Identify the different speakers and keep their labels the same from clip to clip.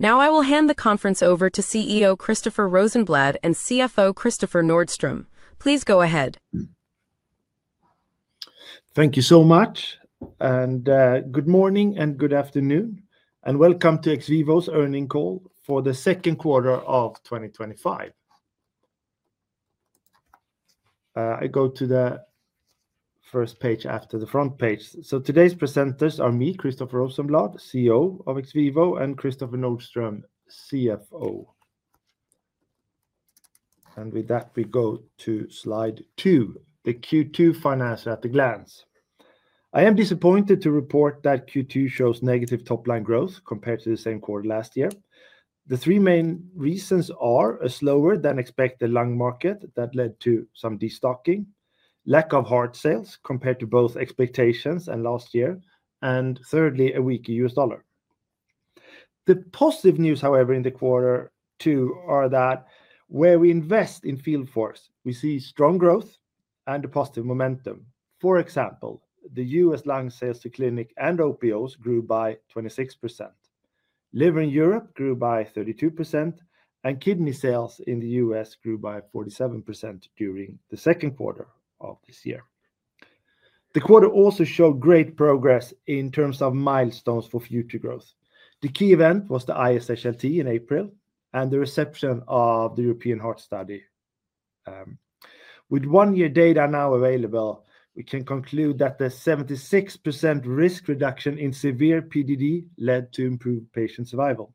Speaker 1: Now I will hand the conference over to CEO Christoffer Rosenblad and CFO Kristoffer Nordström. Please go ahead.
Speaker 2: Thank you so much, and good morning and good afternoon, and welcome to XVIVO's earnings call for the second quarter of 2025. I go to the first page after the front page. Today's presenters are me, Christoffer Rosenblad, CEO of XVIVO, and Kristoffer Nordström, CFO. With that, we go to slide two, the Q2 financials at a glance. I am disappointed to report that Q2 shows negative top-line growth compared to the same quarter last year. The three main reasons are a slower-than-expected lung market that led to some destocking, lack of hard sales compared to both expectations and last year, and, thirdly, a weaker U.S. dollar. The positive news, however, in the quarter two are that where we invest in field forces, we see strong growth and a positive momentum. For example, the U.S. lung sales to clinics and OPOs grew by 26%. Liver in Europe grew by 32%, and kidney sales in the U.S. grew by 47% during the second quarter of this year. The quarter also showed great progress in terms of milestones for future growth. The key event was the ISHLT in April and the reception of the European Heart Study. With one-year data now available, we can conclude that the 76% risk reduction in severe PGD led to improved patient survival.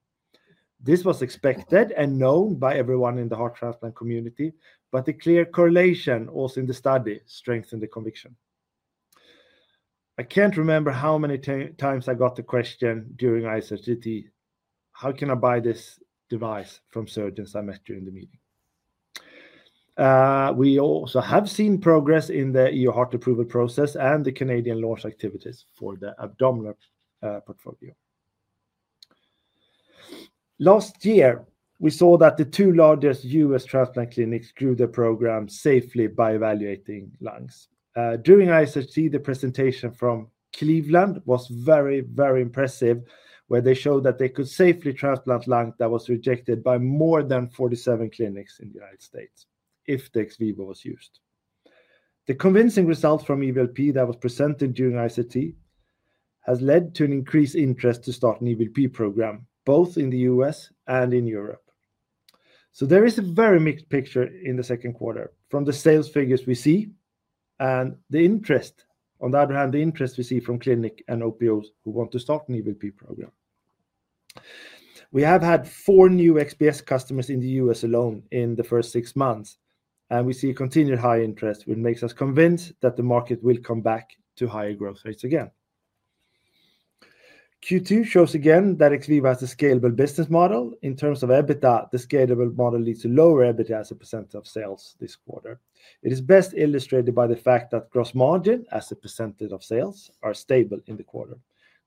Speaker 2: This was expected and known by everyone in the heart transplant community, but the clear correlation also in the study strengthened the conviction. I can't remember how many times I got the question during ISHLT, "How can I buy this device from surgeons?" I met during the meeting. We also have seen progress in the EU heart approval process and the Canadian launch activities for the abdominal portfolio. Last year, we saw that the two largest U.S. transplant clinics grew their program safely by evaluating lungs. During ISHLT, the presentation from Cleveland was very, very impressive, where they showed that they could safely transplant lungs that were rejected by more than 47 clinics in the United States if the XVIVO was used. The convincing results from EVLP that were presented during ISHLT have led to an increased interest to start an EVLP program, both in the U.S. and in Europe. There is a very mixed picture in the second quarter from the sales figures we see and the interest, on the other hand, the interest we see from clinics and OPOs who want to start an EVLP program. We have had four new XPS customers in the U.S. alone in the first six months, and we see continued high interest, which makes us convinced that the market will come back to higher growth rates again. Q2 shows again that XVIVO has a scalable business model. In terms of EBITDA, the scalable model leads to lower EBITDA as a percentage of sales this quarter. It is best illustrated by the fact that gross margin as a percentage of sales is stable in the quarter.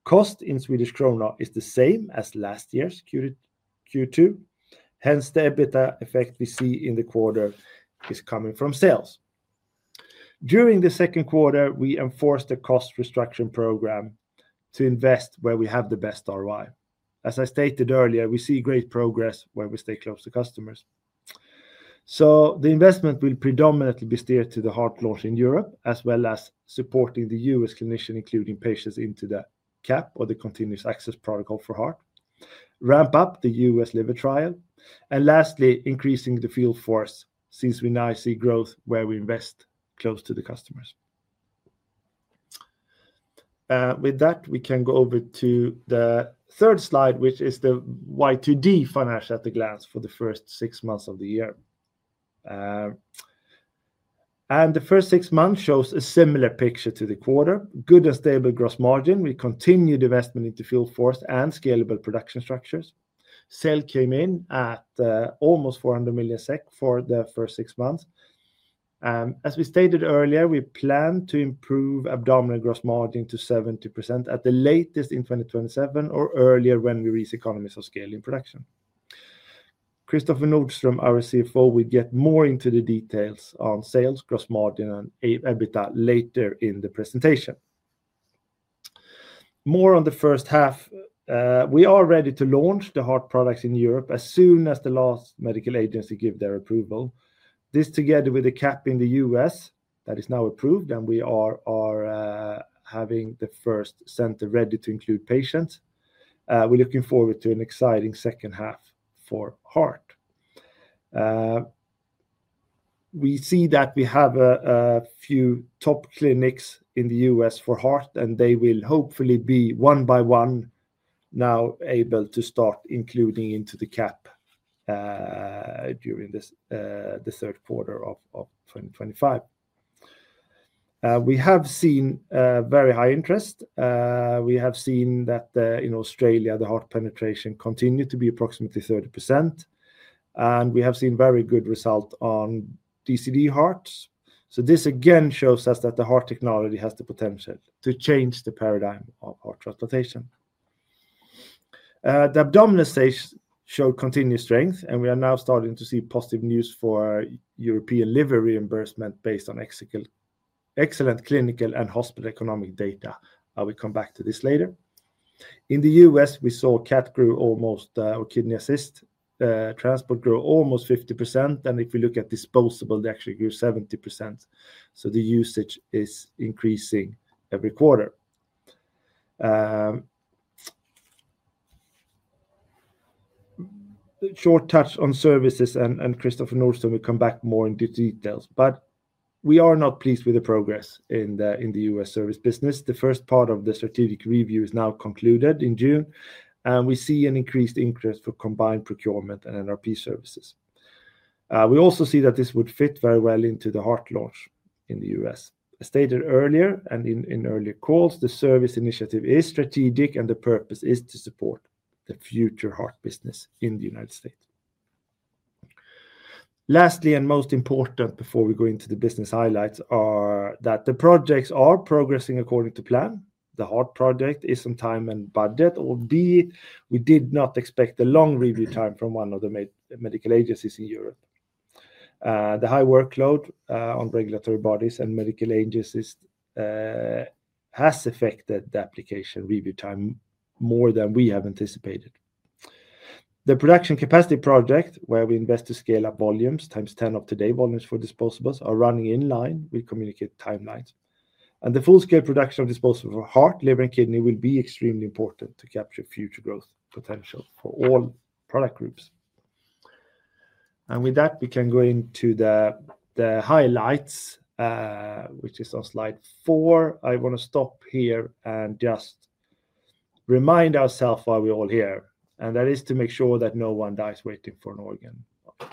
Speaker 2: Cost in Swedish krona is the same as last year's Q2. Hence, the EBITDA effect we see in the quarter is coming from sales. During the second quarter, we enforced a cost restructuring program to invest where we have the best ROI. As I stated earlier, we see great progress when we stay close to customers. The investment will predominantly be steered to the heart launch in Europe, as well as supporting the U.S. clinicians, including patients into the CAP or the Continuous Access Protocol for heart. Ramp up the U.S. liver trial, and lastly, increasing the field forces since we now see growth where we invest close to the customers. With that, we can go over to the third slide, which is the YTD Financials - at a glance for the first six months of the year. The first six months show a similar picture to the quarter. Good and stable gross margin. We continue the investment into field forces and scalable production structures. Sales came in at almost 400 million SEK for the first six months. As we stated earlier, we plan to improve abdominal gross margin to 70% at the latest in 2027 or earlier when we reach economies of scale in production. Kristoffer Nordström, our CFO, will get more into the details on sales, gross margin, and EBITDA later in the presentation. More on the first half. We are ready to launch the heart products in Europe as soon as the last medical agencies give their approval. This is together with a CAP in the U.S. that is now approved, and we are having the first center ready to include patients. We're looking forward to an exciting second half for heart. We see that we have a few top clinics in the U.S. for heart, and they will hopefully be one by one now able to start including into the CAP during the third quarter of 2025. We have seen very high interest. We have seen that in Australia, the heart penetration continued to be approximately 30%, and we have seen very good results on DCD hearts. This again shows us that the heart technology has the potential to change the paradigm of heart transplantation. The abdominal stage showed continued strength, and we are now starting to see positive news for European liver reimbursement based on excellent clinical and hospital economic data. I will come back to this later. In the U.S., we saw Kidney Assist Transport grow almost 50%, and if we look at disposables, they actually grew 70%. The usage is increasing every quarter. A short touch on services, and Kristoffer Nordström will come back more into details, but we are not pleased with the progress in the U.S. service business. The first part of the strategic review is now concluded in June, and we see an increased interest for combined procurement and NRP services. We also see that this would fit very well into the heart launch in the U.S. As stated earlier, and in earlier calls, the service initiative is strategic, and the purpose is to support the future heart business in the United States. Lastly, and most important before we go into the business highlights, is that the projects are progressing according to plan. The heart project is on time and budget, albeit we did not expect a long review time from one of the medical agencies in Europe. The high workload on regulatory bodies and medical agencies has affected the application review time more than we have anticipated. The production capacity project, where we invest to scale up volumes times 10 of today's volumes for disposables, is running in line with communicated timelines. The full-scale production of disposables for heart, liver, and kidney will be extremely important to capture future growth potential for all product groups. With that, we can go into the highlights, which is on slide four. I want to stop here and just remind ourselves why we're all here, and that is to make sure that no one dies waiting for an organ.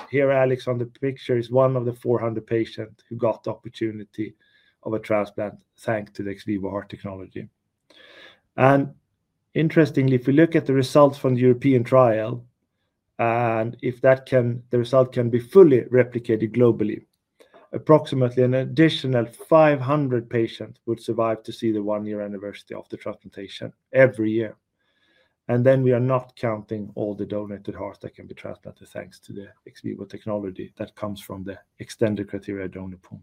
Speaker 2: Here, Alex on the picture is one of the 400 patients who got the opportunity of a transplant, thanks to the XVIVO heart technology. Interestingly, if we look at the results from the European trial, and if that result can be fully replicated globally, approximately an additional 500 patients would survive to see the one-year anniversary of the transplantation every year. We are not counting all the donated hearts that can be transplanted thanks to the XVIVO technology that comes from the extended criteria donor pool.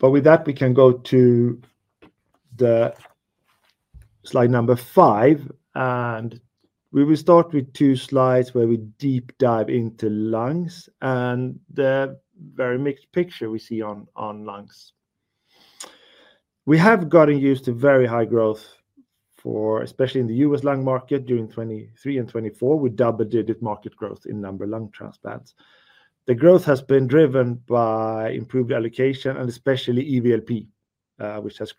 Speaker 2: With that, we can go to slide number five, and we will start with two slides where we deep dive into lungs and the very mixed picture we see on lungs. We have gotten used to very high growth, especially in the U.S. lung market during 2023 and 2024, with double-digit market growth in number of lung transplants. The growth has been driven by improved allocation and especially EVLP, which has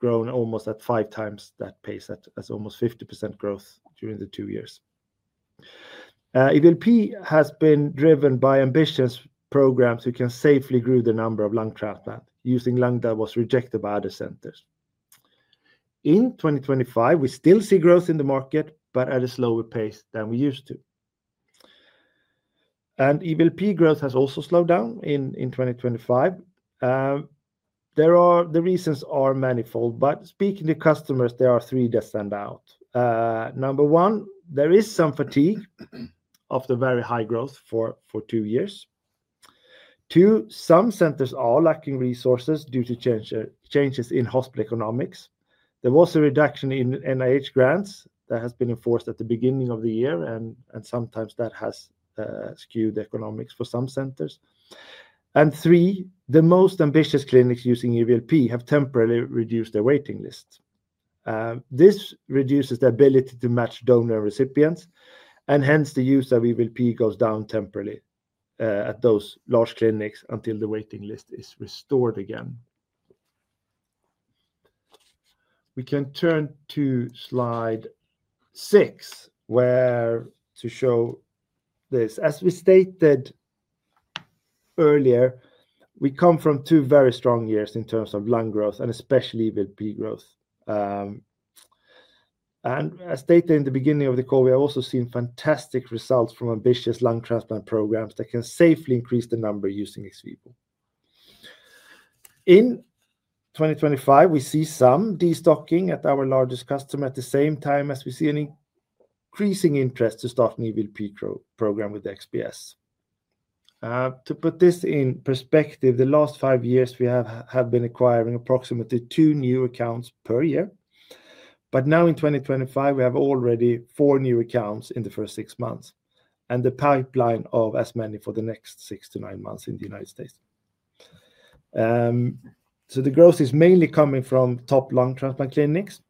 Speaker 2: grown almost at five times that pace, as almost 50% growth during the two years. EVLP has been driven by ambitious programs who can safely grow the number of lung transplants using lungs that were rejected by other centers. In 2025, we still see growth in the market, but at a slower pace than we used to. EVLP growth has also slowed down in 2025. The reasons are manifold, but speaking to customers, there are three that stand out. Number one, there is some fatigue of the very high growth for two years. Two, some centers are lacking resources due to changes in hospital economics. There was a reduction in NIH grants that has been enforced at the beginning of the year, and sometimes that has skewed the economics for some centers. Three, the most ambitious clinics using EVLP have temporarily reduced their waiting lists. This reduces the ability to match donor and recipients, and hence the use of EVLP goes down temporarily at those large clinics until the waiting list is restored again. We can turn to slide six to show this. As we stated earlier, we come from two very strong years in terms of lung growth and especially EVLP growth. As stated in the beginning of the call, we have also seen fantastic results from ambitious lung transplant programs that can safely increase the number using XVIVO. In 2025, we see some destocking at our largest customer at the same time as we see an increasing interest to start an EVLP program with XPS. To put this in perspective, the last five years we have been acquiring approximately two new accounts per year, but now in 2025, we have already four new accounts in the first six months, and the pipeline of as many for the next six to nine months in the United States. The growth is mainly coming from top lung transplant clinics,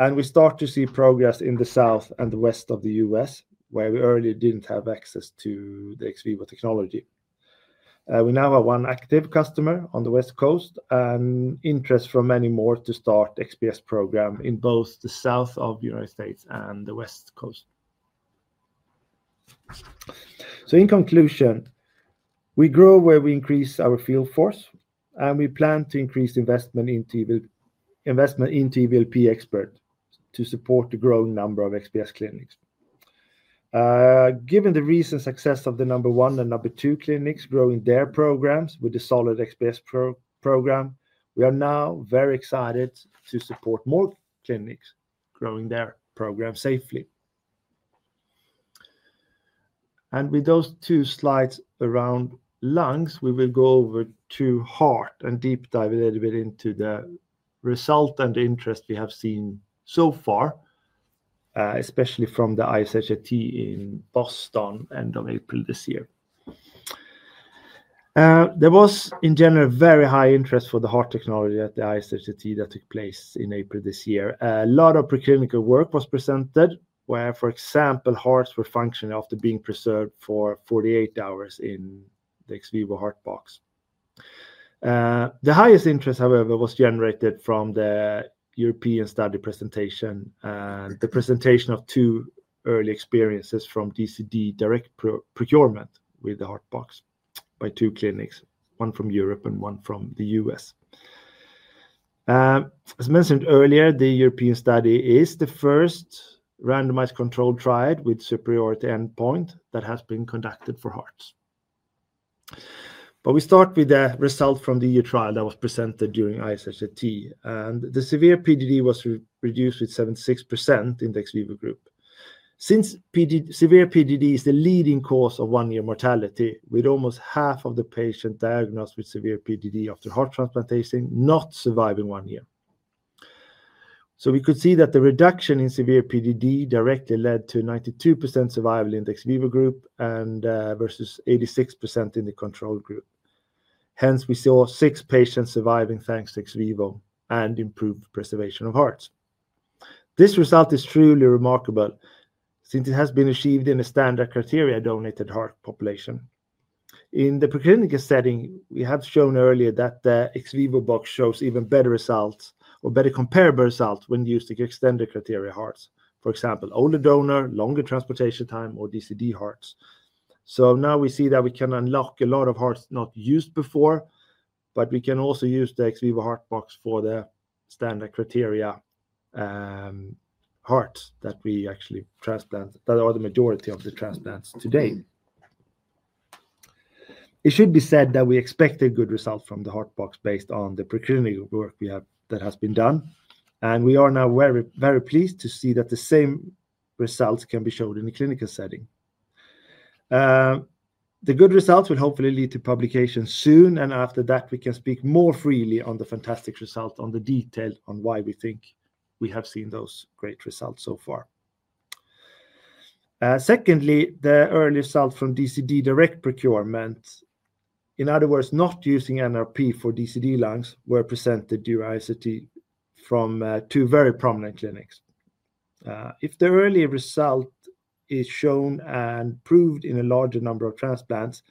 Speaker 2: and we start to see progress in the south and the west of the U.S., where we earlier didn't have access to the XVIVO technology. We now have one active customer on the west coast and interest from many more to start the XPS program in both the south of the United States and the west coast. In conclusion, we grow where we increase our field force, and we plan to increase investment into EVLP experts to support the growing number of XPS clinics. Given the recent success of the number one and number two clinics growing their programs with a solid XPS program, we are now very excited to support more clinics growing their programs safely. With those two slides around lungs, we will go over to heart and deep dive a little bit into the result and interest we have seen so far, especially from the ISHLT in Boston end of April this year. There was, in general, very high interest for the heart technology at the ISHLT that took place in April this year. A lot of preclinical work was presented where, for example, hearts were functioning after being preserved for 48 hours in the XVIVO Heart Box. The highest interest, however, was generated from the European study presentation and the presentation of two early experiences from DCD direct procurement with the Heart Box by two clinics, one from Europe and one from the U.S. As mentioned earlier, the European study is the first randomized controlled trial with superiority endpoint that has been conducted for hearts. We start with the result from the EU trial that was presented during ISHLT, and the severe PGD was reduced by 76% in the XVIVO group. Since severe PGD is the leading cause of one-year mortality, with almost half of the patients diagnosed with severe PGD after heart transplantation not surviving one year, we could see that the reduction in severe PGD directly led to 92% survival in the XVIVO group versus 86% in the control group. Hence, we saw six patients surviving thanks to XVIVO and improved preservation of hearts. This result is truly remarkable since it has been achieved in a standard criteria donated heart population. In the preclinical setting, we have shown earlier that the XVIVO box shows even better results or better comparable results when used to extend the criteria hearts, for example, older donors, longer transportation time, or DCD hearts. Now we see that we can unlock a lot of hearts not used before, but we can also use the XVIVO Heart Box for the standard criteria hearts that we actually transplant, that are the majority of the transplants to date. It should be said that we expect a good result from the Heart Bbox based on the preclinical work that has been done, and we are now very pleased to see that the same results can be shown in the clinical setting. The good results will hopefully lead to publications soon, and after that, we can speak more freely on the fantastic results, on the detail on why we think we have seen those great results so far. Secondly, the early results from DCD direct procurement, in other words, not using NRP for DCD lungs, were presented during ISHLT from two very prominent clinics. If the earlier result is shown and proved in a larger number of transplants,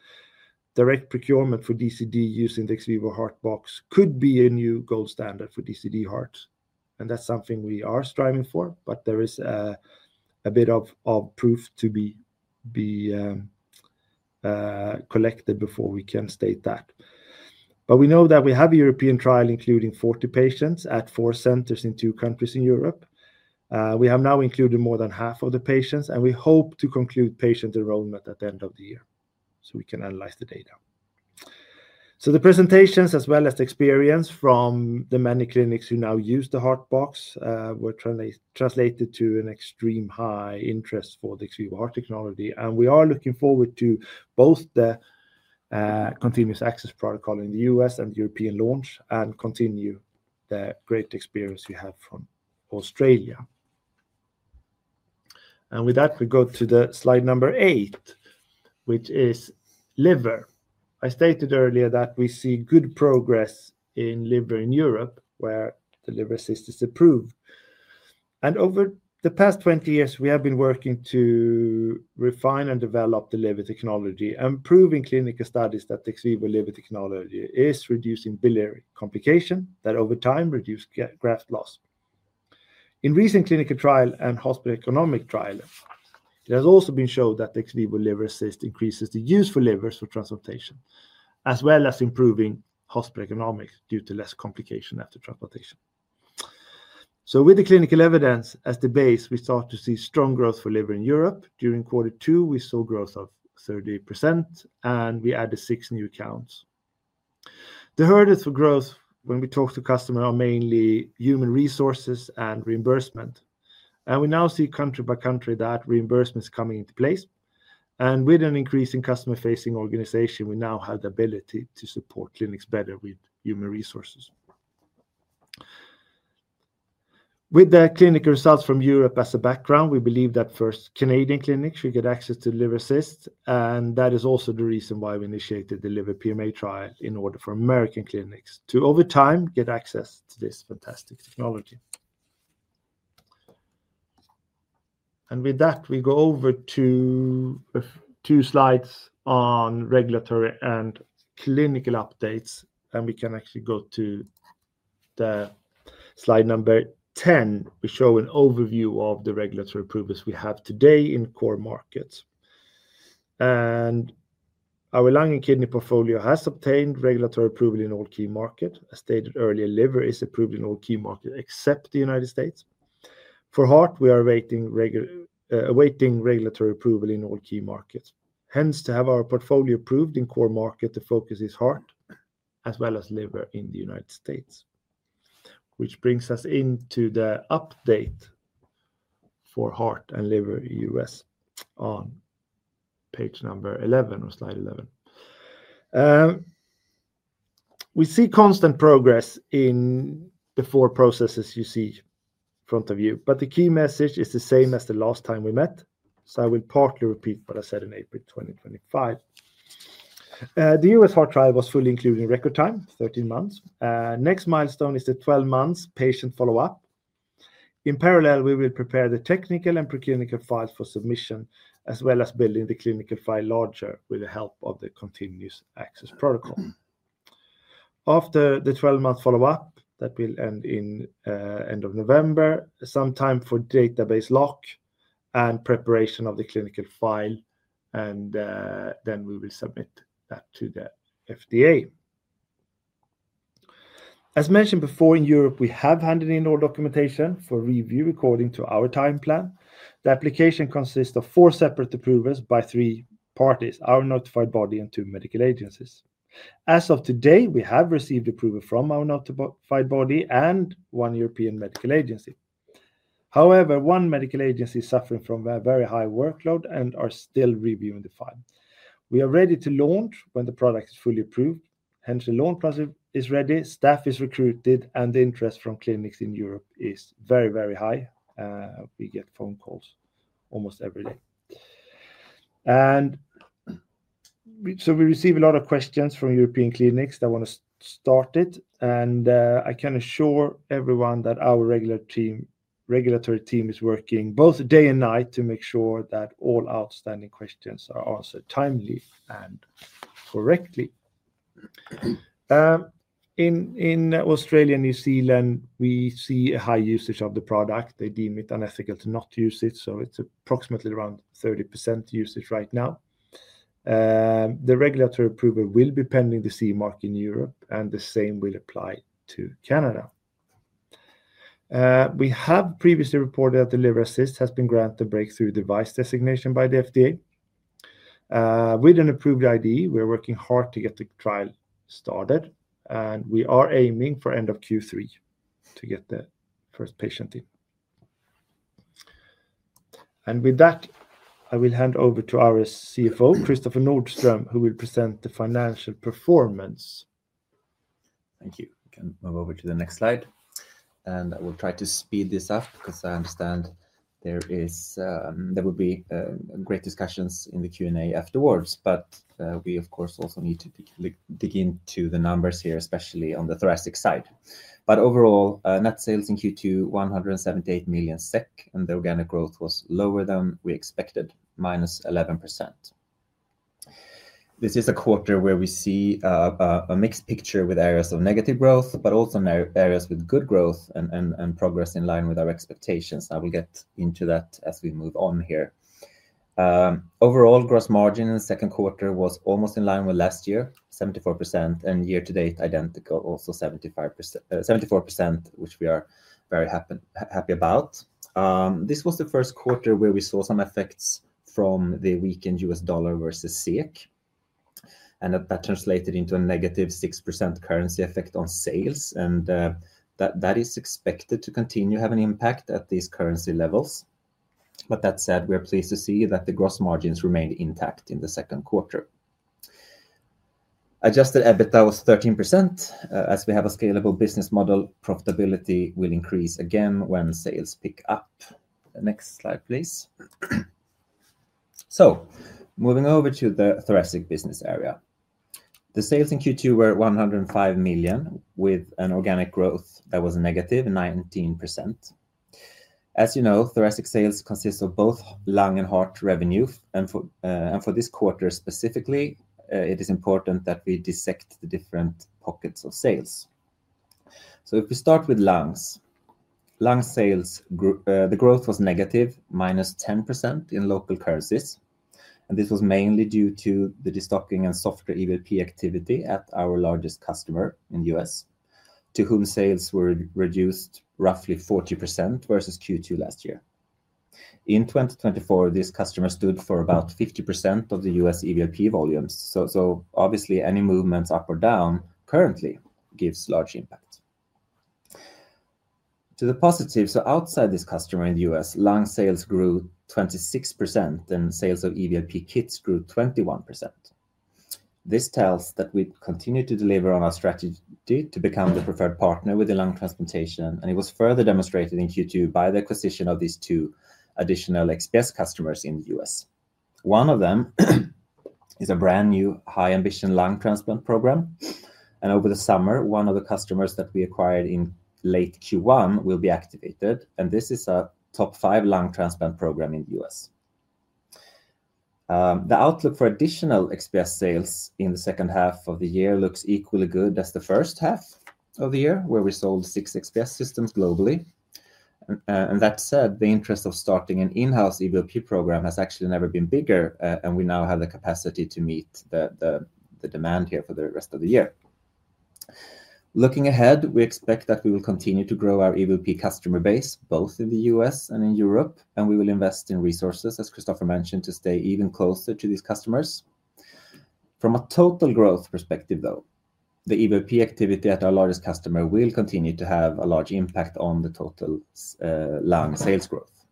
Speaker 2: direct procurement for DCD using the XVIVO Heart Box could be a new gold standard for DCD hearts, and that's something we are striving for, but there is a bit of proof to be collected before we can state that. We know that we have a European trial including 40 patients at four centers in two countries in Europe. We have now included more than half of the patients, and we hope to conclude patient enrollment at the end of the year so we can analyze the data. The presentations, as well as the experience from the many clinics who now use the Heart Box, were translated to an extreme high interest for the XVIVO heart technology. We are looking forward to both the Continuous Access Protocol in the U.S. and the European launch and continue the great experience we have from Australia. With that, we go to the slide number eight, which is liver. I stated earlier that we see good progress in liver in Europe where the Liver Assist is approved. Over the past 20 years, we have been working to refine and develop the liver technology and proven clinical studies that the XVIVO liver technology is reducing biliary complications that over time reduce graft loss. In recent clinical trials and hospital economic trials, it has also been shown that the XVIVO Liver Assist increases the use for livers for transplantation, as well as improving hospital economics due to less complications after transplantation. With the clinical evidence as the base, we start to see strong growth for liver in Europe. During quarter two, we saw growth of 38%, and we added six new accounts. The hurdles for growth when we talk to customers are mainly human resources and reimbursement, and we now see country by country that reimbursement is coming into place. With an increase in customer-facing organizations, we now have the ability to support clinics better with human resources. With the clinical results from Europe as a background, we believe that first Canadian clinics should get access to Liver Assist, and that is also the reason why we initiated the liver PMA trial in order for American clinics to, over time, get access to this fantastic technology. With that, we go over to two slides on regulatory and clinical updates, and we can actually go to slide number 10. We show an overview of the regulatory approvals we have today in core markets. Our lung and kidney portfolio has obtained regulatory approval in all key markets. As stated earlier, liver is approved in all key markets except the United States. For heart, we are awaiting regulatory approval in all key markets. Hence, to have our portfolio approved in core markets, the focus is heart as well as liver in the United States, which brings us into the update for heart and liver in the U.S. on page number 11 or slide 11. We see constant progress in the four processes you see in front of you, but the key message is the same as the last time we met. I will partly repeat what I said in April 2025. The U.S. heart trial was fully included in record time, 13 months. Next milestone is the 12-month patient follow-up. In parallel, we will prepare the technical and preclinical files for submission, as well as building the clinical file larger with the help of the Continuous Access Protocol. After the 12-month follow-up, that will end in the end of November, some time for database lock and preparation of the clinical file, and then we will submit that to the FDA. As mentioned before, in Europe, we have handed in all documentation for review according to our timeplan. The application consists of four separate approvals by three parties, our notified body, and two medical agencies. As of today, we have received approval from our notified body and one European medical agency. However, one medical agency is suffering from a very high workload and is still reviewing the file. We are ready to launch when the product is fully approved. The launch plan is ready, staff is recruited, and the interest from clinics in Europe is very, very high. We get phone calls almost every day. We receive a lot of questions from European clinics that want to start it, and I can assure everyone that our regulatory team is working both day and night to make sure that all outstanding questions are answered timely and correctly. In Australia and New Zealand, we see a high usage of the product. They deem it unethical to not use it, so it's approximately around 30% usage right now. The regulatory approval will be pending the CE mark in Europe, and the same will apply to Canada. We have previously reported that the Liver Assist has been granted a breakthrough device designation by the FDA. With an approved ID, we're working hard to get the trial started, and we are aiming for end of Q3 to get the first patient in. With that, I will hand over to our CFO, Kristoffer Nordström, who will present the financial performance.
Speaker 3: Thank you. We can move over to the next slide, and I will try to speed this up because I understand there will be great discussions in the Q&A afterwards, but we, of course, also need to dig into the numbers here, especially on the thoracic side. Overall, net sales in Q2, 178 million SEK, and the organic growth was lower than we expected, -11%. This is a quarter where we see a mixed picture with areas of negative growth, but also areas with good growth and progress in line with our expectations. I will get into that as we move on here. Overall, gross margin in the second quarter was almost in line with last year, 74%, and year to date identical, also 74%, which we are very happy about. This was the first quarter where we saw some effects from the weakened U.S. dollar versus SEK, and that translated into a -6% currency effect on sales, and that is expected to continue to have an impact at these currency levels. That said, we are pleased to see that the gross margins remained intact in the second quarter. Adjusted EBITDA was 13%. As we have a scalable business model, profitability will increase again when sales pick up. Next slide, please. Moving over to the thoracic business area, the sales in Q2 were 105 million with an organic growth that was -19%. As you know, thoracic sales consist of both lung and heart revenue, and for this quarter specifically, it is important that we dissect the different pockets of sales. If we start with lungs, lung sales, the growth was negative, -10% in local currencies, and this was mainly due to the destocking and softer EVLP activity at our largest customer in the U.S., to whom sales were reduced roughly 40% versus Q2 last year. In 2024, this customer stood for about 50% of the U.S. EVLP volumes, so obviously any movements up or down currently give a large impact. To the positive, outside this customer in the U.S., lung sales grew 26% and sales of EVLP kits grew 21%. This tells that we continue to deliver on our strategy to become the preferred partner with the lung transplantation, and it was further demonstrated in Q2 by the acquisition of these two additional XPS customers in the U.S. One of them is a brand new high-ambition lung transplant program, and over the summer, one of the customers that we acquired in late Q1 will be activated, and this is a top five lung transplant program in the U.S. The outlook for additional XPS sales in the second half of the year looks equally good as the first half of the year, where we sold six XPS systems globally. That said, the interest of starting an in-house EVLP program has actually never been bigger, and we now have the capacity to meet the demand here for the rest of the year. Looking ahead, we expect that we will continue to grow our EVLP customer base, both in the U.S. and in Europe, and we will invest in resources, as Kristoffer mentioned, to stay even closer to these customers. From a total growth perspective, though, the EVLP activity at our largest customer will continue to have a large impact on the total lung sales growth.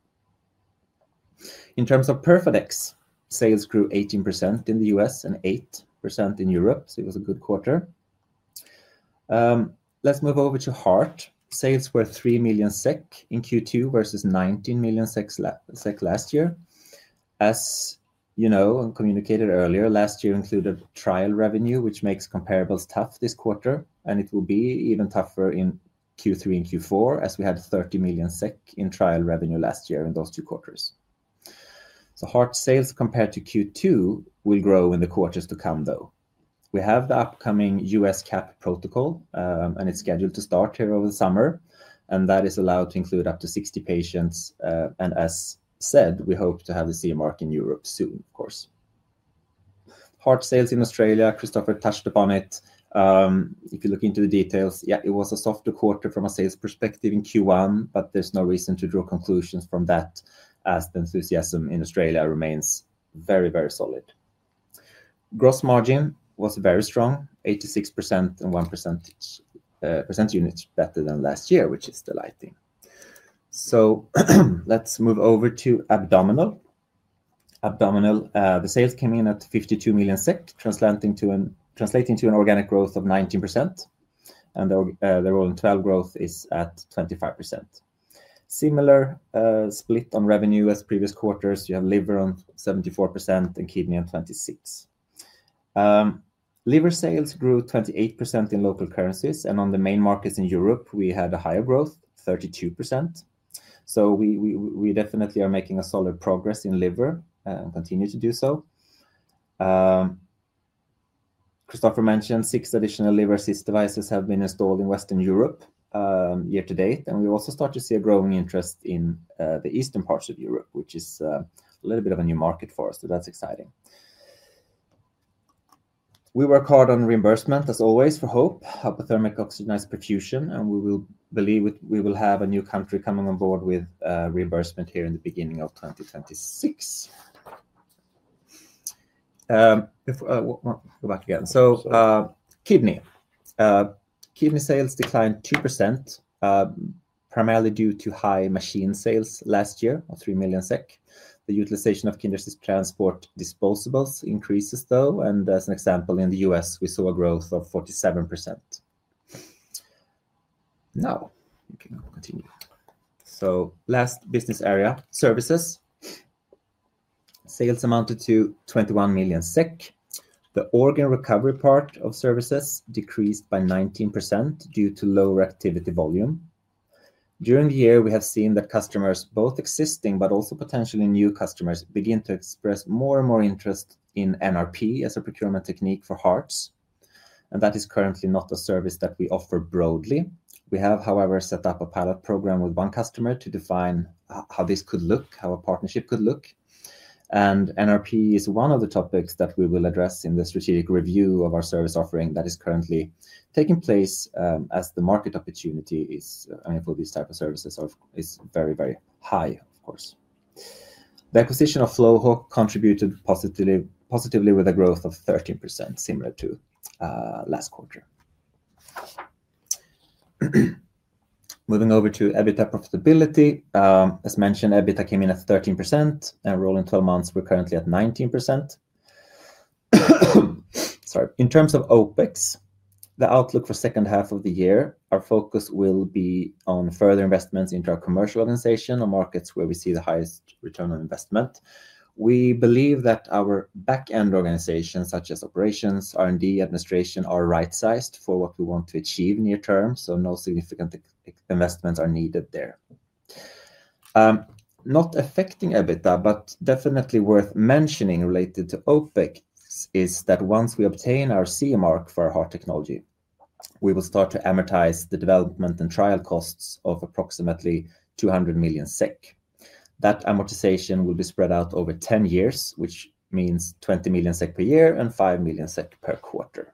Speaker 3: In terms of PERFADEX, sales grew 18% in the U.S. and 8% in Europe, so it was a good quarter. Let's move over to heart. Sales were 3 million SEK in Q2 versus 19 million SEK last year. As you know, and communicated earlier, last year included trial revenue, which makes comparables tough this quarter, and it will be even tougher in Q3 and Q4, as we had 30 million SEK in trial revenue last year in those two quarters. Heart sales compared to Q2 will grow in the quarters to come, though. We have the upcoming U.S. CAP protocol, and it's scheduled to start here over the summer, and that is allowed to include up to 60 patients, and as said, we hope to have the CE mark in Europe soon, of course. Heart sales in Australia, Christoffer touched upon it. If you look into the details, it was a softer quarter from a sales perspective in Q1, but there's no reason to draw conclusions from that, as the enthusiasm in Australia remains very, very solid. Gross margin was very strong, 86%, and 1% units better than last year, which is delighting. Let's move over to abdominal. Abdominal, the sales came in at 52 million SEK, translating to an organic growth of 19%, and the roll-in 12 growth is at 25%. Similar split on revenue as previous quarters, you have liver on 74% and kidney on 26%. Liver sales grew 28% in local currencies, and on the main markets in Europe, we had a higher growth, 32%. We definitely are making solid progress in liver and continue to do so. Christoffer mentioned six additional Liver Assist devices have been installed in Western Europe year to date, and we also start to see a growing interest in the eastern parts of Europe, which is a little bit of a new market for us, so that's exciting. We work hard on reimbursement, as always, for HOPE, hypothermic oxygenized perfusion, and we believe we will have a new country coming on board with reimbursement here in the beginning of 2026. Go back again. Kidney sales declined 2%, primarily due to high machine sales last year of 3 million SEK. The utilization of Kidney Assist Transport disposables increases, though, and as an example, in the U.S., we saw a growth of 47%. Now, we can continue. Last business area, services. Sales amounted to 21 million SEK. The organ recovery part of services decreased by 19% due to lower activity volume. During the year, we have seen that customers, both existing but also potentially new customers, begin to express more and more interest in NRP as a procurement technique for hearts, and that is currently not a service that we offer broadly. We have, however, set up a pilot program with one customer to define how this could look, how a partnership could look, and NRP is one of the topics that we will address in the strategic review of our service offering that is currently taking place as the market opportunity is, I mean, for these types of services, is very, very high, of course. The acquisition of FlowHawk contributed positively with a growth of 13%, similar to last quarter. Moving over to EBITDA profitability, as mentioned, EBITDA came in at 13%, and rolling 12 months, we're currently at 19%. Sorry. In terms of OpEx, the outlook for the second half of the year, our focus will be on further investments into our commercial organization or markets where we see the highest return on investment. We believe that our backend organizations, such as operations, R&D, administration, are right-sized for what we want to achieve near term, so no significant investments are needed there. Not affecting EBITDA, but definitely worth mentioning related to OpEx is that once we obtain our CE mark for our heart technology, we will start to amortize the development and trial costs of approximately 200 million SEK. That amortization will be spread out over 10 years, which means 20 million SEK per year and 5 million SEK per quarter.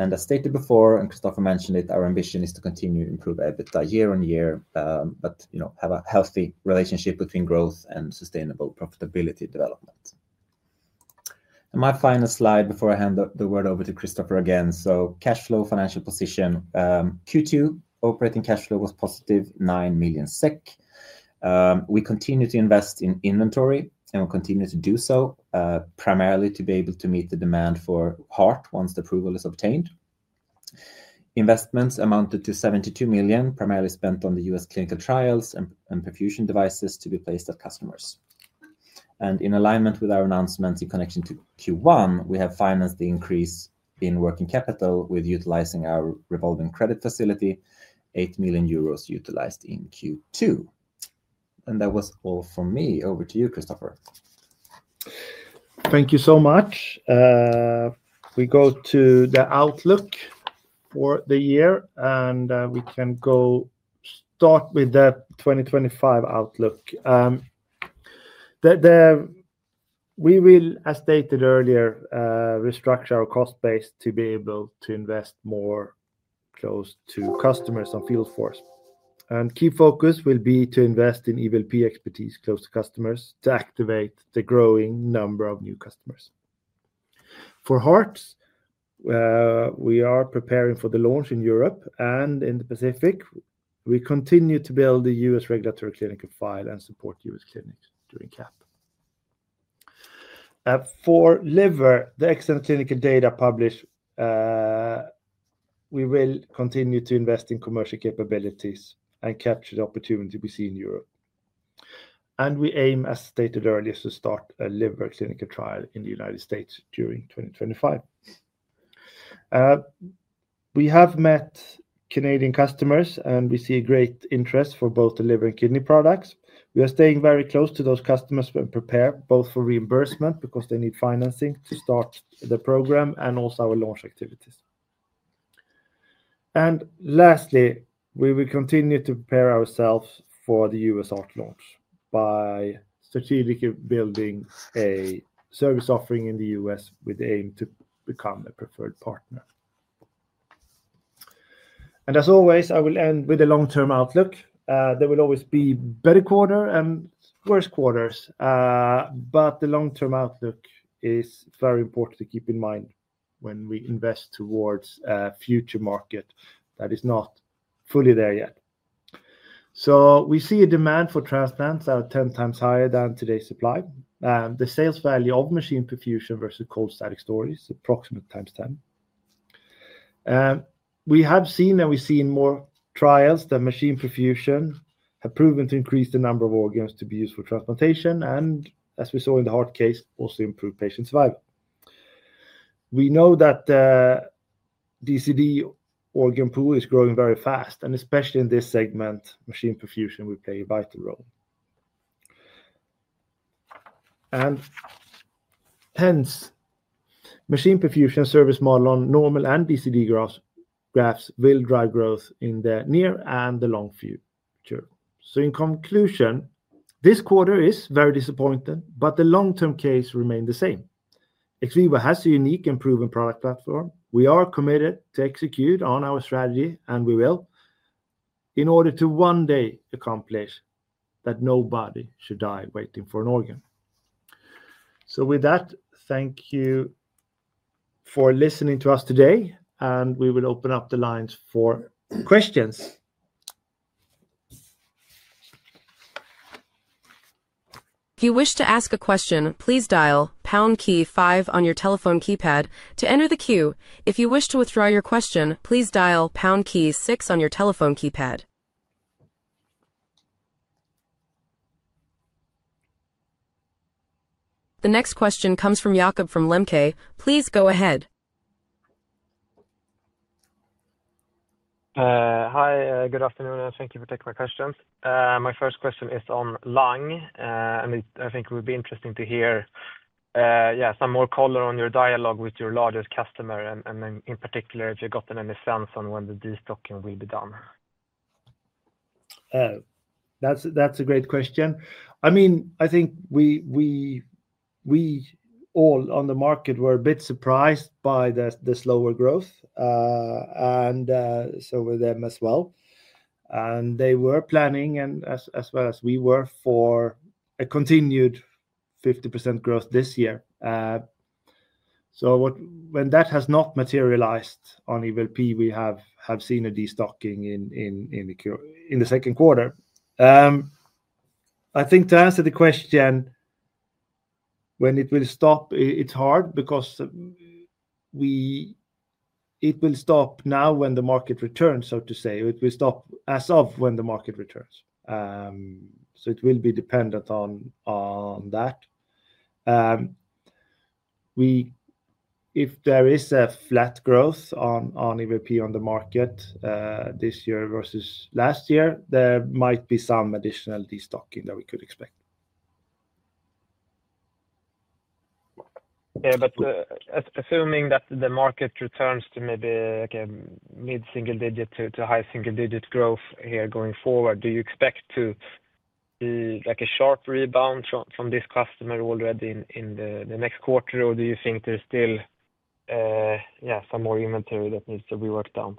Speaker 3: As stated before, and Kristoffer mentioned it, our ambition is to continue to improve EBITDA year on year, but have a healthy relationship between growth and sustainable profitability development. My final slide before I hand the word over to Christoffer again. Cash flow financial position. Q2, operating cash flow was positive, 9 million SEK. We continue to invest in inventory, and we'll continue to do so, primarily to be able to meet the demand for heart once the approval is obtained. Investments amounted to 72 million, primarily spent on the U.S. clinical trials and perfusion devices to be placed at customers. In alignment with our announcements in connection to Q1, we have financed the increase in working capital with utilizing our revolving credit facility, 8 million euros utilized in Q2. That was all from me. Over to you, Christoffer.
Speaker 2: Thank you so much. We go to the outlook for the year, and we can go start with the 2025 outlook. We will, as stated earlier, restructure our cost base to be able to invest more close to customers on field force. Key focus will be to invest in EVLP expertise close to customers to activate the growing number of new customers. For hearts, we are preparing for the launch in Europe and in the Pacific. We continue to build the U.S. regulatory clinical file and support U.S. clinics during CAP. For liver, the extended clinical data published, we will continue to invest in commercial capabilities and capture the opportunity we see in Europe. We aim, as stated earlier, to start a liver clinical trial in the United States during 2025. We have met Canadian customers, and we see a great interest for both the liver and kidney products. We are staying very close to those customers and prepare both for reimbursement because they need financing to start the program and also our launch activities. Lastly, we will continue to prepare ourselves for the U.S. heart launch by strategically building a service offering in the U.S. with the aim to become a preferred partner. As always, I will end with a long-term outlook. There will always be better quarters and worse quarters, but the long-term outlook is very important to keep in mind when we invest towards a future market that is not fully there yet. We see a demand for transplants that are 10 times higher than today's supply. The sales value of machine perfusion versus cold static storage is approximately times 10. We have seen and we've seen more trials that machine perfusion have proven to increase the number of organs to be used for transplantation, and as we saw in the heart case, also improve patient survival. We know that the DCD organ pool is growing very fast, and especially in this segment, machine perfusion will play a vital role. Hence, machine perfusion service model on normal and DCD grafts will drive growth in the near and the long future. In conclusion, this quarter is very disappointing, but the long-term case remains the same. XVIVO has a unique and proven product platform. We are committed to execute on our strategy, and we will, in order to one day accomplish that nobody should die waiting for an organ. With that, thank you for listening to us today, and we will open up the lines for questions.
Speaker 1: If you wish to ask a question, please dial pound key five on your telephone keypad to enter the queue. If you wish to withdraw your question, please dial pound key six on your telephone keypad. The next question comes from Jakob Lembke. Please go ahead.
Speaker 4: Hi, good afternoon, and thank you for taking my questions. My first question is on lung, and I think it would be interesting to hear some more color on your dialogue with your largest customer, in particular, if you've gotten any sense on when the destocking will be done.
Speaker 2: That's a great question. I think we all on the market were a bit surprised by the slower growth, and so were they as well. They were planning, as well as we were, for a continued 50% growth this year. When that has not materialized on EVLP, we have seen a destocking in the second quarter. I think to answer the question, when it will stop, it's hard because it will stop now when the market returns, so to say, or it will stop as of when the market returns. It will be dependent on that. If there is a flat growth on EVLP on the market this year versus last year, there might be some additional destocking that we could expect.
Speaker 4: Assuming that the market returns to maybe like a mid-single-digit to high single-digit growth here going forward, do you expect to see a sharp rebound from this customer already in the next quarter, or do you think there's still some more inventory that needs to be worked on?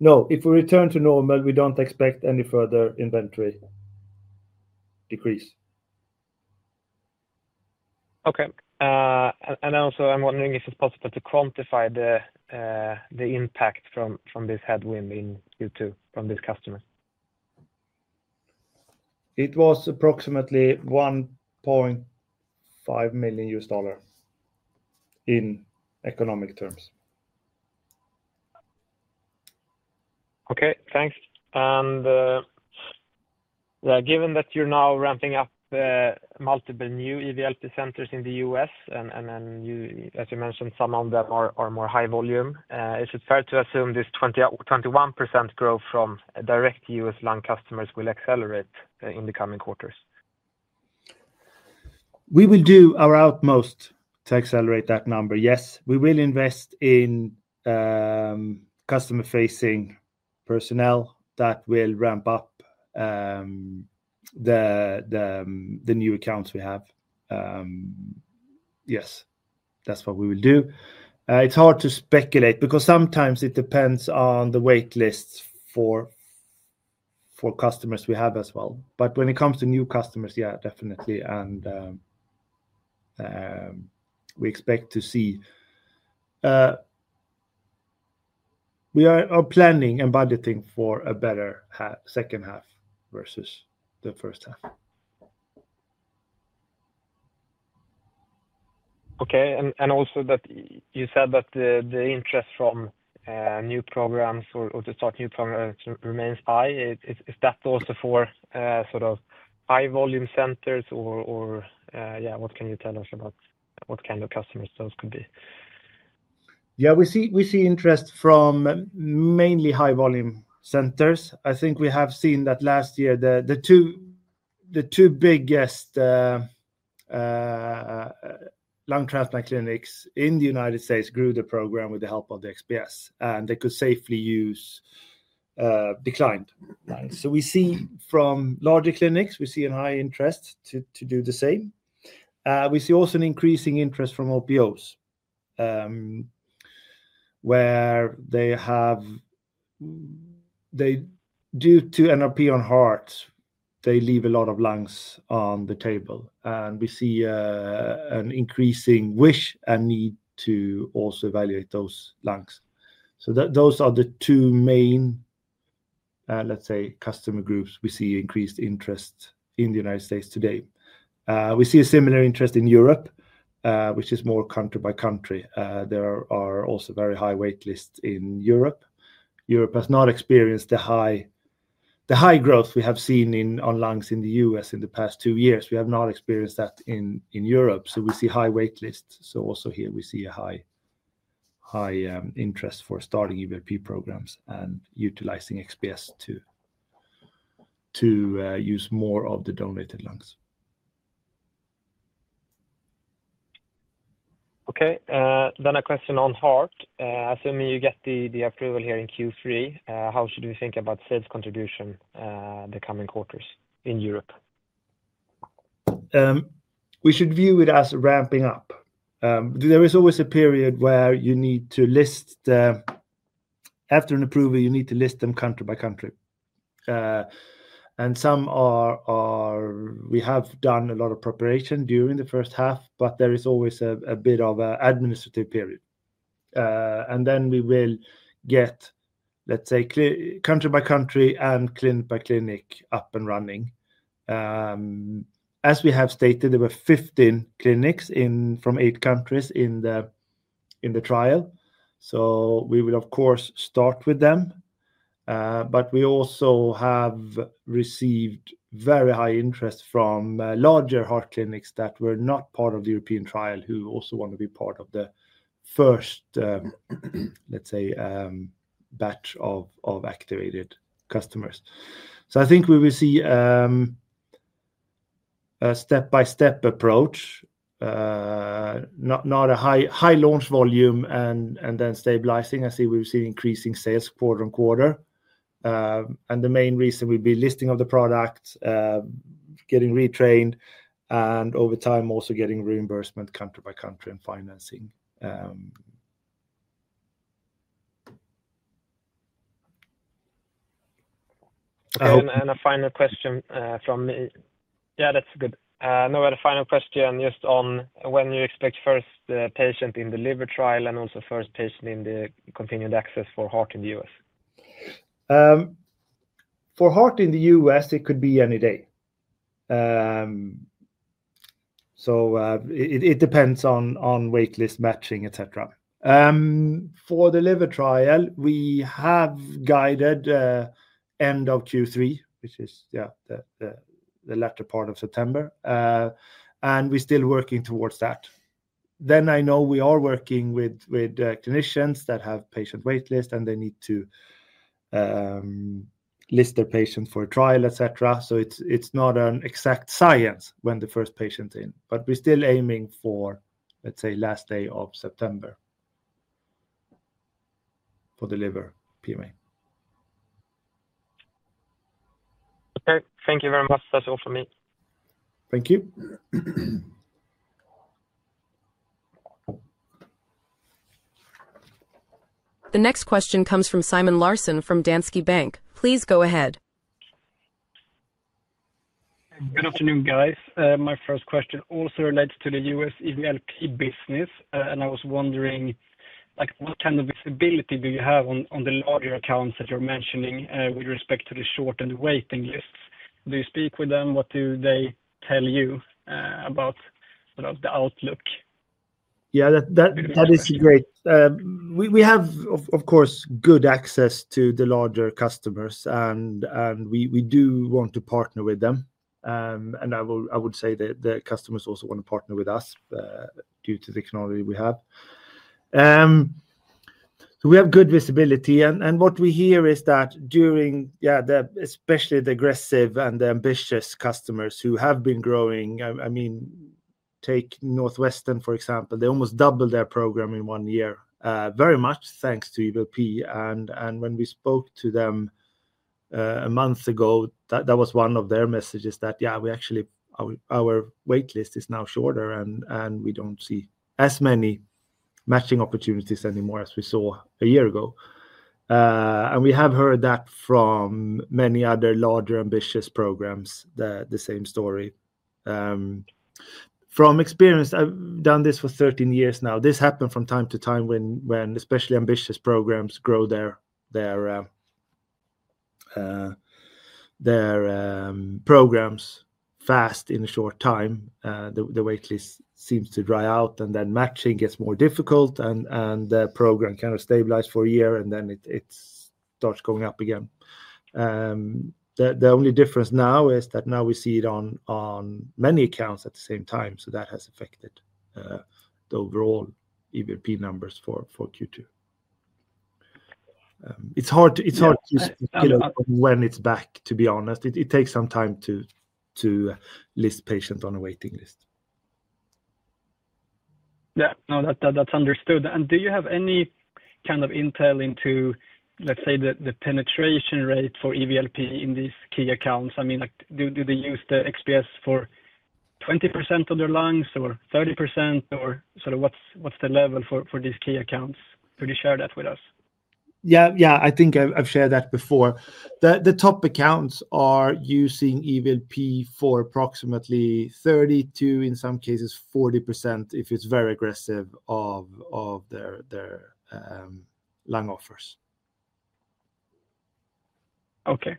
Speaker 3: No, if we return to normal, we don't expect any further inventory decrease.
Speaker 4: Okay. I'm wondering if it's possible to quantify the impact from this headwind in Q2 from this customer.
Speaker 3: It was approximately $1.5 million in economic terms.
Speaker 4: Okay, thanks. Given that you're now ramping up multiple new EVLP centers in the U.S., and as you mentioned, some of them are more high volume, is it fair to assume this 21% growth from direct U.S. lung customers will accelerate in the coming quarters?
Speaker 2: We will do our utmost to accelerate that number, yes. We will invest in customer-facing personnel that will ramp up the new accounts we have. Yes, that's what we will do. It's hard to speculate because sometimes it depends on the wait lists for customers we have as well. When it comes to new customers, yeah, definitely. We expect to see... We are planning and budgeting for a better second half versus the first half.
Speaker 4: Okay. You said that the interest from new programs or to start new programs remains high. Is that also for high volume centers, or what can you tell us about what kind of customers those could be?
Speaker 2: Yeah, we see interest from mainly high volume centers. I think we have seen that last year the two biggest lung transplant clinics in the U.S. grew the program with the help of the XPS, and they could safely use declined.
Speaker 4: Nice.
Speaker 2: We see from larger clinics a high interest to do the same. We also see an increasing interest from OPOs where, due to NRP on hearts, they leave a lot of lungs on the table, and we see an increasing wish and need to also evaluate those lungs. Those are the two main, let's say, customer groups we see increased interest in the United States today. We see a similar interest in Europe, which is more country by country. There are also very high wait lists in Europe. Europe has not experienced the high growth we have seen on lungs in the U.S. in the past two years. We have not experienced that in Europe, so we see high wait lists. Here we see a high interest for starting EVLP programs and utilizing XPS to use more of the donated lungs.
Speaker 4: Okay. A question on heart. Assuming you get the approval here in Q3, how should we think about sales contribution in the coming quarters in Europe?
Speaker 2: We should view it as ramping up. There is always a period where you need to list the... After an approval, you need to list them country by country. Some are... We have done a lot of preparation during the first half, but there is always a bit of an administrative period. We will get, let's say, country by country and clinic by clinic up and running. As we have stated, there were 15 clinics from eight countries in the trial. We will, of course, start with them. We also have received very high interest from larger heart clinics that were not part of the European trial who also want to be part of the first, let's say, batch of activated customers. I think we will see a step-by-step approach, not a high launch volume and then stabilizing. I see we've seen increasing sales quarter on quarter. The main reason will be listing of the product, getting retrained, and over time also getting reimbursement country by country and financing.
Speaker 4: A final question from me. That's good. A final question just on when you expect first patient in the liver trial and also first patient in the continued access for heart in the U.S.
Speaker 2: For heart in the U.S., it could be any day. It depends on wait list matching, etc. For the liver trial, we have guided end of Q3, which is the latter part of September, and we're still working towards that. I know we are working with clinicians that have patient wait lists and they need to list their patients for a trial, etc. It's not an exact science when the first patient is in, but we're still aiming for, let's say, last day of September for the liver PMA.
Speaker 4: Okay. Thank you very much. That's all from me.
Speaker 2: Thank you.
Speaker 1: The next question comes from Simon Larsson from Danske Bank. Please go ahead.
Speaker 5: Good afternoon, guys. My first question also relates to the U.S. EVLP business, and I was wondering, what kind of visibility do you have on the larger accounts that you're mentioning with respect to the short and waiting lists? Do you speak with them? What do they tell you about the outlook?
Speaker 2: Yeah, that is great. We have, of course, good access to the larger customers, and we do want to partner with them. I would say that the customers also want to partner with us due to the technology we have. We have good visibility, and what we hear is that especially the aggressive and the ambitious customers who have been growing, I mean, take Northwestern, for example, they almost doubled their program in one year, very much thanks to EVLP. When we spoke to them a month ago, that was one of their messages that, yeah, we actually, our wait list is now shorter, and we don't see as many matching opportunities anymore as we saw a year ago. We have heard that from many other larger ambitious programs, the same story. From experience, I've done this for 13 years now. This happens from time to time when especially ambitious programs grow their programs fast in a short time. The wait list seems to dry out, and then matching gets more difficult, and the program kind of stabilizes for a year, and then it starts going up again. The only difference now is that now we see it on many accounts at the same time, so that has affected the overall EVLP numbers for Q2. It's hard to, you know, when it's back, to be honest. It takes some time to list patients on a waiting list.
Speaker 5: Yeah, no, that's understood. Do you have any kind of intel into, let's say, the penetration rate for EVLP in these key accounts? I mean, do they use the XPS for 20% of their lungs or 30%, or what's the level for these key accounts? Could you share that with us?
Speaker 2: I think I've shared that before. The top accounts are using EVLP for approximately 32%, in some cases 40% if it's very aggressive of their lung offers.
Speaker 5: Okay.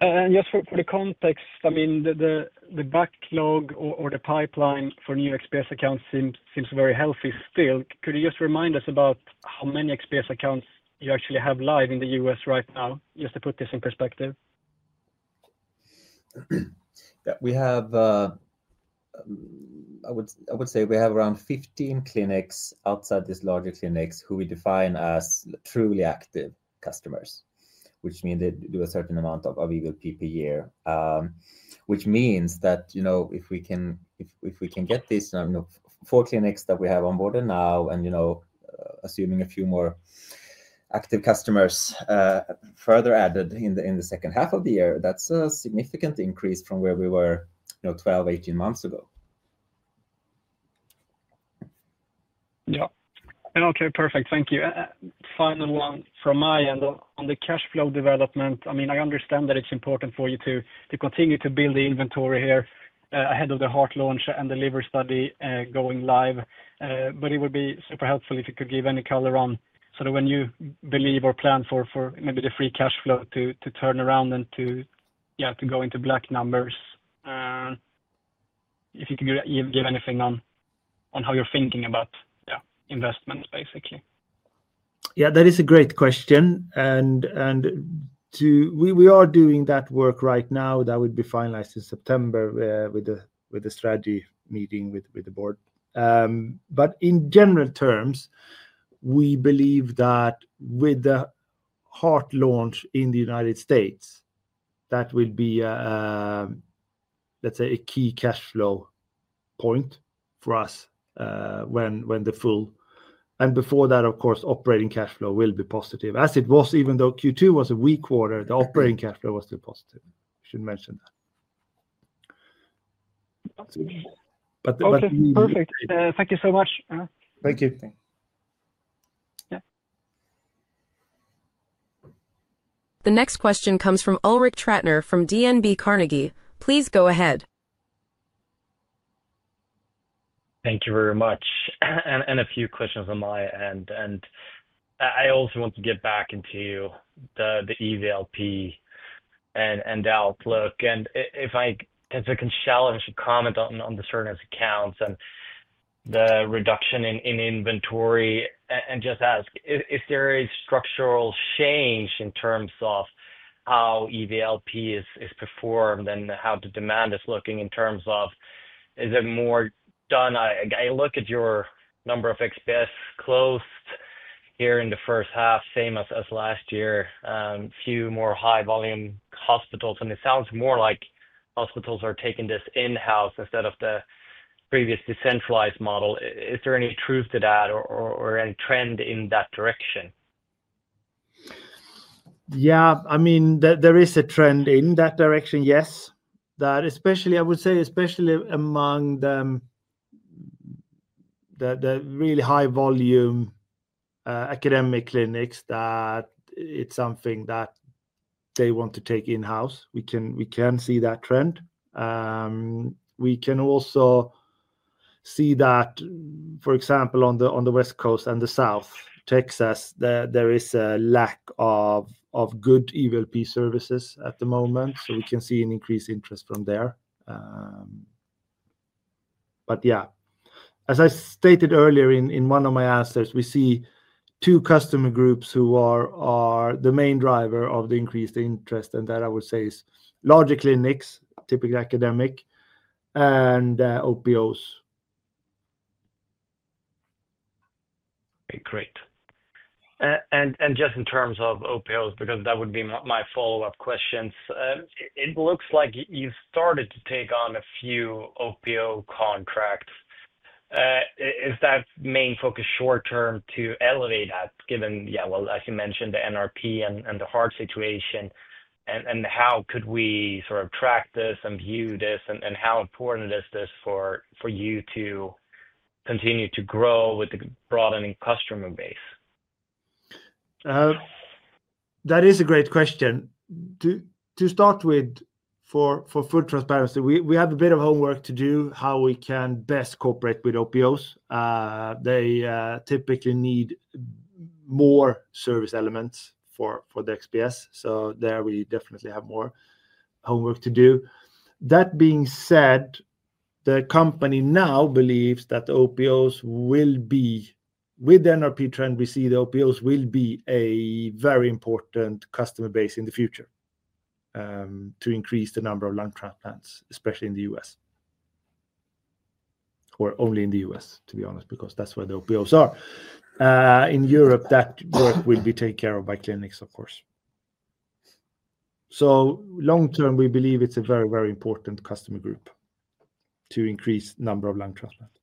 Speaker 5: For context, the backlog or the pipeline for new XPS accounts seems very healthy still. Could you just remind us about how many XPS accounts you actually have live in the U.S. right now, just to put this in perspective?
Speaker 3: I would say we have around 15 clinics outside these larger clinics who we define as truly active customers, which means they do a certain amount of EVLP per year. If we can get these four clinics that we have onboarded now, and assuming a few more active customers further added in the second half of the year, that's a significant increase from where we were 12, 18 months ago.
Speaker 5: Yeah. Okay, perfect. Thank you. Final one from my end on the cash flow development. I understand that it's important for you to continue to build the inventory here ahead of the heart launch and the liver study going live. It would be super helpful if you could give any color on sort of when you believe or plan for maybe the free cash flow to turn around and to go into black numbers. If you could give anything on how you're thinking about investments, basically.
Speaker 2: That is a great question. We are doing that work right now that will be finalized in September with the strategy meeting with the board. In general terms, we believe that with the heart launch in the United States, that will be, let's say, a key cash flow point for us when the full... Before that, of course, operating cash flow will be positive, as it was, even though Q2 was a weak quarter, the operating cash flow was still positive. We should mention that.
Speaker 5: Okay, perfect. Thank you so much.
Speaker 2: Thank you.
Speaker 1: The next question comes from Ulrik Trattner from DNB Carnegie. Please go ahead.
Speaker 6: Thank you very much. I have a few questions on my end. I also want to get back into the EVLP and outlook. If I can challenge a comment on the certain accounts and the reduction in inventory and just ask, is there a structural change in terms of how EVLP is performed and how the demand is looking in terms of is it more done? I look at your number of XPS closed here in the first half, same as last year, a few more high volume hospitals. It sounds more like hospitals are taking this in-house instead of the previous decentralized model. Is there any truth to that or any trend in that direction?
Speaker 2: Yeah, I mean, there is a trend in that direction, yes. Especially, I would say, especially among the really high volume academic clinics that it's something that they want to take in-house. We can see that trend. We can also see that, for example, on the West Coast and the South, Texas, there is a lack of good EVLP services at the moment. We can see an increased interest from there. As I stated earlier in one of my answers, we see two customer groups who are the main driver of the increased interest, and that I would say is larger clinics, typically academic, and OPOs.
Speaker 6: Okay, great. Just in terms of OPOs, it looks like you've started to take on a few OPO contracts. Is that main focus short term to elevate that given, as you mentioned, the NRP and the heart situation? How could we sort of track this and view this, and how important is this for you to continue to grow with the broadening customer base?
Speaker 2: That is a great question. To start with, for full transparency, we have a bit of homework to do on how we can best cooperate with OPOs. They typically need more service elements for the XPS, so we definitely have more homework to do. That being said, the company now believes that OPOs will be, with the NRP trend we see, a very important customer base in the future to increase the number of lung transplants, especially in the U.S., or only in the U.S., to be honest, because that's where the OPOs are. In Europe, that work will be taken care of by clinics, of course. Long term, we believe it's a very, very important customer group to increase the number of lung transplants.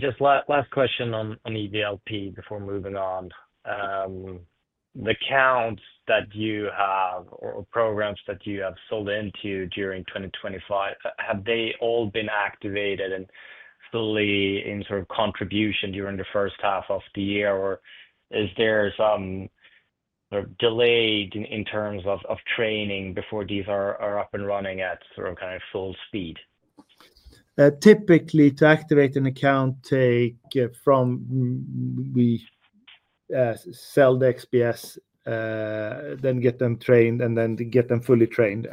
Speaker 6: Just last question on EVLP before moving on. The accounts that you have or programs that you have sold into during 2025, have they all been activated and fully in sort of contribution during the first half of the year, or is there some delay in terms of training before these are up and running at sort of kind of full speed?
Speaker 2: Typically, to activate an account, we sell the XPS, get them trained, and then get them fully trained.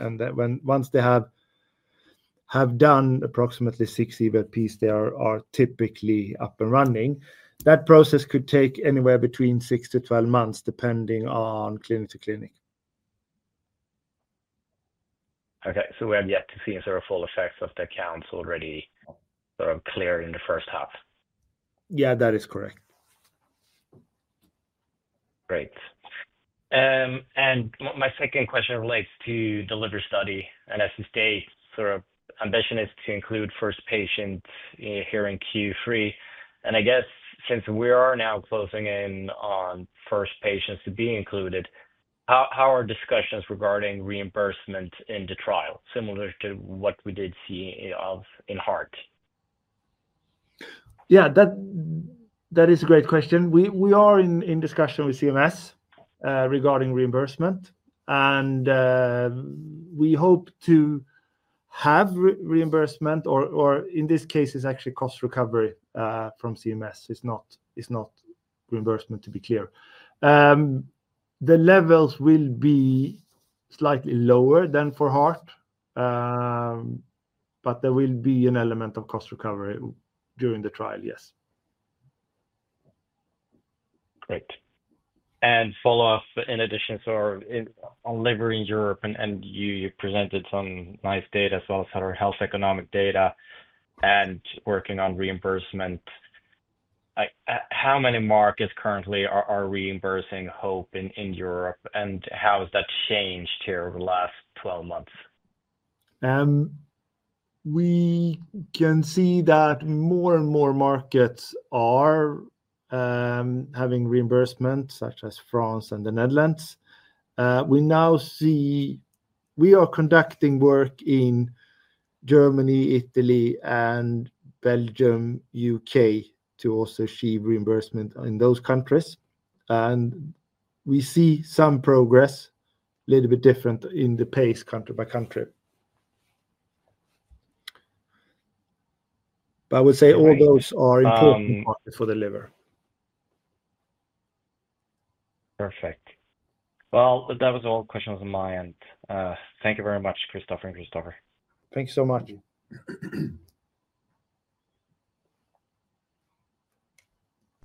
Speaker 2: Once they have done approximately six EVLPs, they are typically up and running. That process could take anywhere between six to twelve months, depending on clinic to clinic.
Speaker 6: Okay, we have yet to see sort of full effects of the accounts already sort of clear in the first half.
Speaker 2: Yeah, that is correct.
Speaker 6: Great. My second question relates to the liver study, and as you state, sort of ambition is to include first patients here in Q3. I guess since we are now closing in on first patients to be included, how are discussions regarding reimbursement in the trial, similar to what we did see in heart?
Speaker 2: That is a great question. We are in discussion with CMS regarding reimbursement, and we hope to have reimbursement, or in this case, it's actually cost recovery from CMS. It's not reimbursement, to be clear. The levels will be slightly lower than for heart, but there will be an element of cost recovery during the trial, yes.
Speaker 6: Great. In addition, on liver in Europe, you presented some nice data as well as sort of health economic data and working on reimbursement. How many markets currently are reimbursing HOPE in Europe, and how has that changed here over the last 12 months?
Speaker 2: We can see that more and more markets are having reimbursement, such as France and the Netherlands. We now see we are conducting work in Germany, Italy, Belgium, and the U.K. to also see reimbursement in those countries. We see some progress, a little bit different in the pace country by country. I would say all those are important parts for the liver.
Speaker 6: That was all questions on my end. Thank you very much, Christoffer and Kristoffer.
Speaker 2: Thank you so much.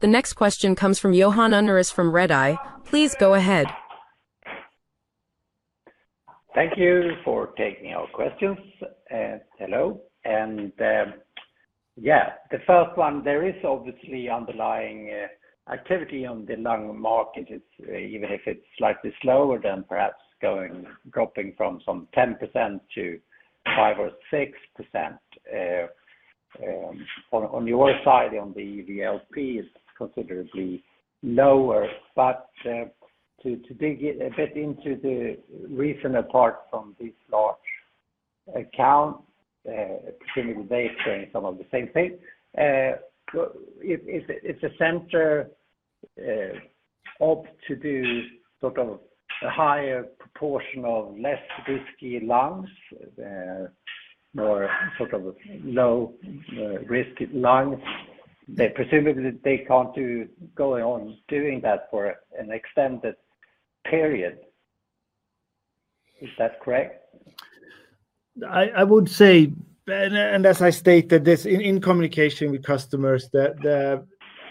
Speaker 1: The next question comes from Johan Unnérus from Redeye. Please go ahead.
Speaker 7: Thank you for taking our questions, and hello. The first one, there is obviously underlying activity on the lung market, even if it's slightly slower than perhaps going dropping from some 10% to 5% or 6%. On your side, on the EVLP, it's considerably lower. To dig a bit into the reason apart from these large accounts, presumably they experience some of the same thing. It's a center opt to do sort of a higher proportion of less risky lungs, more sort of low-risk lungs. They presumably can't go on doing that for an extended period. Is that correct?
Speaker 2: I would say, as I stated this in communication with customers, that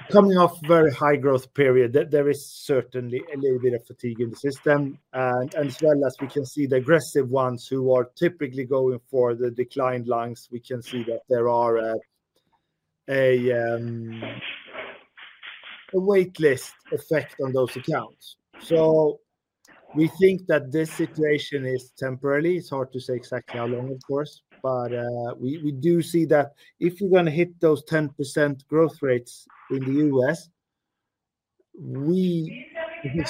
Speaker 2: coming off a very high growth period, there is certainly a little bit of fatigue in the system. As well, we can see the aggressive ones who are typically going for the declined lungs, we can see that there is a wait list effect on those accounts. We think that this situation is temporary. It's hard to say exactly how long, of course, but we do see that if you're going to hit those 10% growth rates in the U.S., we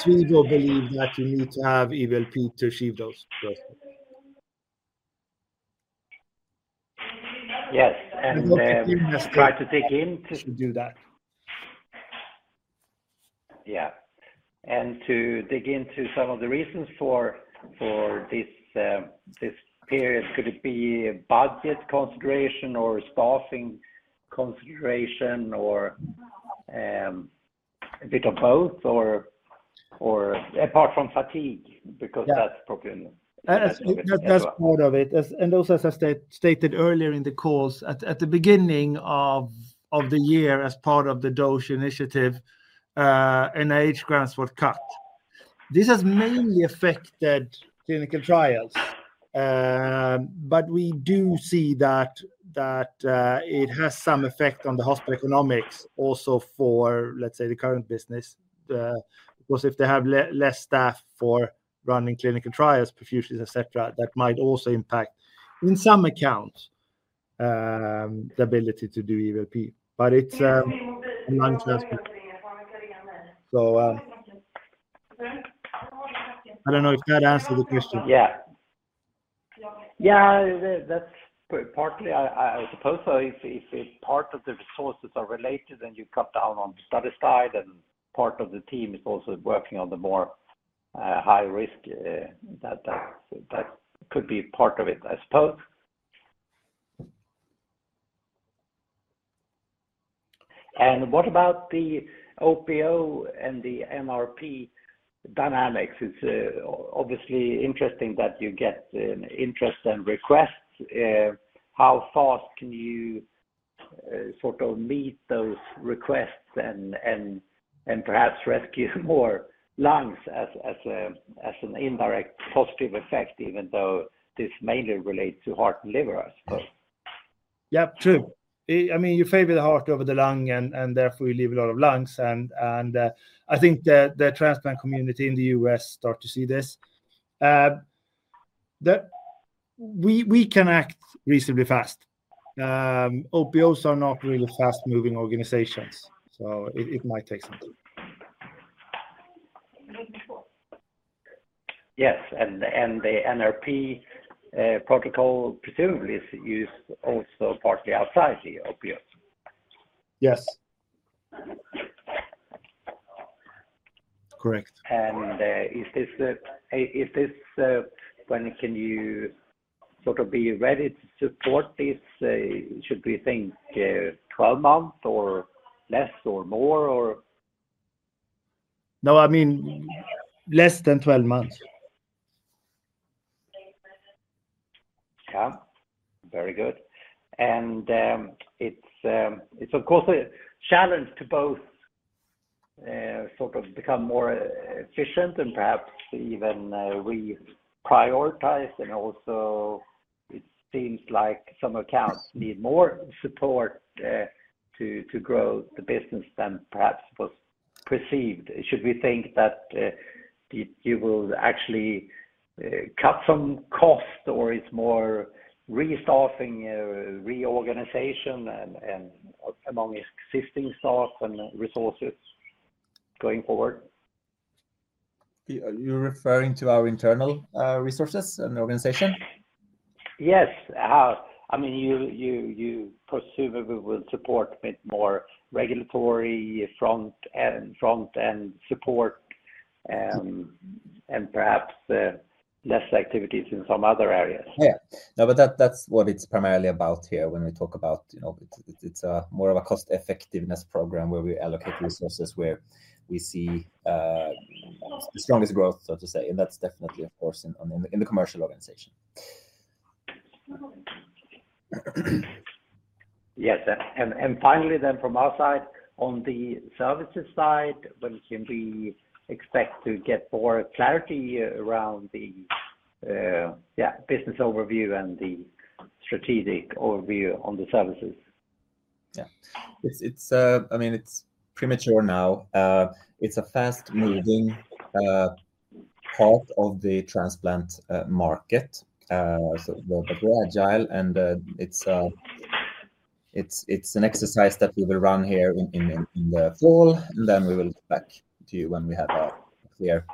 Speaker 2: believe that you need to have EVLP to achieve those growth rates.
Speaker 7: Yes, to try to dig into that. Yeah, to dig into some of the reasons for this period, could it be a budget consideration or staffing consideration or a bit of both, or apart from fatigue, because that's probably.
Speaker 2: That's part of it. As I stated earlier in the calls, at the beginning of the year, as part of the DOGE initiative, NIH grants were cut. This has mainly affected clinical trials, but we do see that it has some effect on the hospital economics also for, let's say, the current business. Of course, if they have less staff for running clinical trials, perfusions, etc., that might also impact in some accounts the ability to do EVLP. It's a lung. I don't know if that answered the question.
Speaker 7: Yeah, that's partly, I suppose, so. If part of the resources are related and you cut down on the study side and part of the team is also working on the more high risk, that could be part of it, I suppose. What about the OPO and the NRP dynamics? It's obviously interesting that you get interest and requests. How fast can you sort of meet those requests and perhaps rescue more lungs as an indirect positive effect, even though this mainly relates to heart and liver, I suppose?
Speaker 2: Yeah, true. I mean, you favor the heart over the lung, and therefore you leave a lot of lungs. I think the transplant community in the U.S. starts to see this. We can act reasonably fast. OPOs are not really fast-moving organizations, so it might take some time.
Speaker 7: Yes, the NRP protocol presumably is used also partly outside the OPO.
Speaker 2: Yes. Correct.
Speaker 7: When can you sort of be ready to support this? Should we think 12 months or less or more?
Speaker 2: No, I mean less than 12 months.
Speaker 7: Very good. It's, of course, a challenge to both sort of become more efficient and perhaps even reprioritize. It also seems like some accounts need more support to grow the business than perhaps was perceived. Should we think that you will actually cut some cost, or it's more restaffing or reorganization among existing staff and resources going forward?
Speaker 3: Are you referring to our internal resources and organization?
Speaker 7: Yes. I mean, you presumably will support a bit more regulatory front and front-end support, and perhaps less activities in some other areas.
Speaker 3: No, that's what it's primarily about here when we talk about, you know, it's more of a cost-effectiveness program where we allocate resources where we see the strongest growth, so to say. That's definitely, of course, in the commercial organization.
Speaker 7: Yes. Finally, from our side, on the services side, when can we expect to get more clarity around the business overview and the strategic overview on the services?
Speaker 3: Yeah, I mean, it's premature now. It's a fast-moving part of the transplant market. We're agile, and it's an exercise that we will run here in the fall, and we will come back to you when we have a clear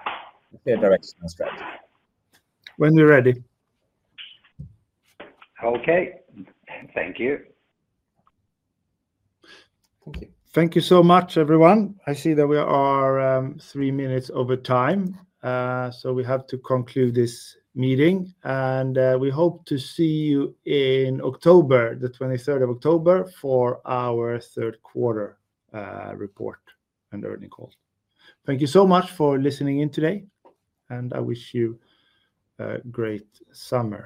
Speaker 3: direction and strategy,
Speaker 2: when we're ready.
Speaker 7: Okay, thank you.
Speaker 2: Thank you. Thank you so much, everyone. I see that we are three minutes over time, so we have to conclude this meeting. We hope to see you in October, the 23rd of October, for our third quarter report and earnings call. Thank you so much for listening in today, and I wish you a great summer.